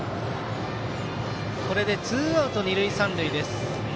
これでツーアウト二塁三塁。